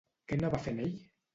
Què anava fent ell?